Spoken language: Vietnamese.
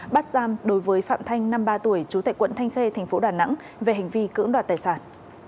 bắt giam đối với phạm thanh năm mươi ba tuổi chú tệ quận thanh khê tp đà nẵng về hành vi cưỡng đoạt tài sản